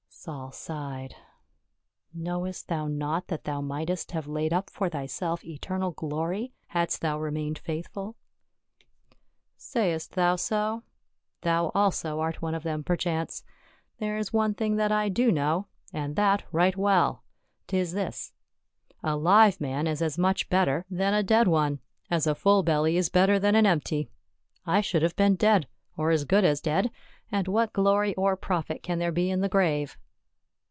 Saul sighed. " Knowest thou not that thou mightest have laid up for thyself eternal glory, hadst thou re mained faithful ?"" Sayest thou so ? Thou also art one of them per chance. There is one thing that I do know, and that right well ; 'tis this, a live man is as much better than 136 PA UL. a dead one, as a full belly is better than an empty. I should have been dead — or as good as dead, and what glory or profit can there be in the grave?"